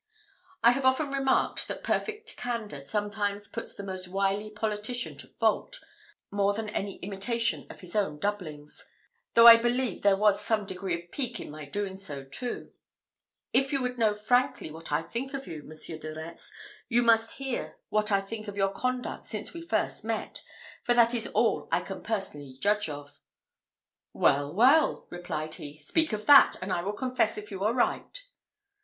I have often remarked that perfect candour sometimes puts the most wily politician to fault, more than any imitation of his own doublings; and I replied at once though I believe there was some degree of pique in my doing so too "If you would know frankly what I think of you, Monsieur de Retz, you must hear what I think of your conduct since we first met, for that is all that I can personally judge of." "Well, well!" replied he, "speak of that, and I will confess if you are right."